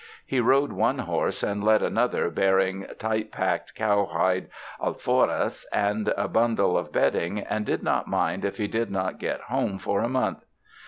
He rode one horse and led another bearing tight packed cowhide alforjas and a Imndle of bedding, and did not mind if he did not get home for a month.